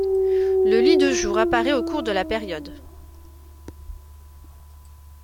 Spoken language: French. Le lit de jour apparaît au cours de la période.